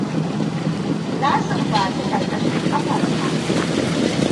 Na sumbaci ƙarƙashin ƙafarka.